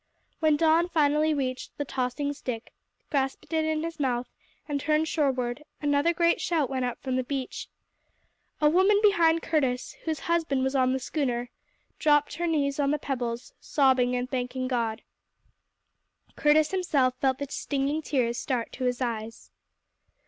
When Don finally reached the tossing stick, grasped it in his mouth and turned shoreward, another great shout went up from the beach. A woman behind Curtis, whose husband was on the schooner, dropped on her knees on the pebbles, sobbing and thanking God. Curtis himself felt the stinging tears start to his eyes.